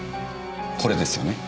これですよね？